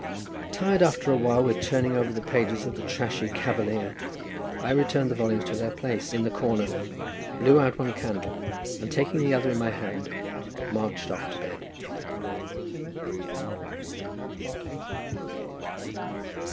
Tired after a while with turning over the pages of the trashy "Cavalier," I returned the volumes to their place in the corner, blew out one candle, and taking the other in my hand marched off to bed.